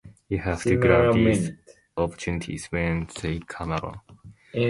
You have to grab these opportunities when they come along.